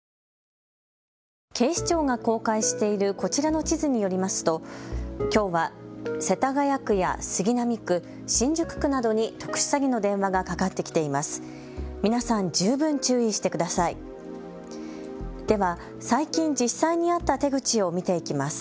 警視庁が公開しているこちらの地図によりますときょうは世田谷区や杉並区、新宿区などに特殊詐欺の電話がかかってきています。